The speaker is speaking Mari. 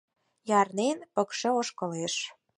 Ярнен, пыкше ошкылеш.